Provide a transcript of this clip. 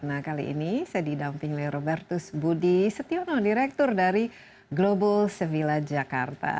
nah kali ini saya didamping oleh robertus budi setiono direktur dari global sevilla jakarta